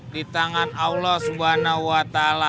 di tangan allah subhanahu wa ta'ala